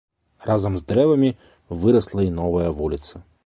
Разам з дрэвамі вырасла і новая вуліца.